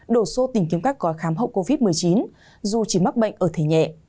đổ xô tìm kiếm các gói khám hậu covid một mươi chín dù chỉ mắc bệnh ở thể nhẹ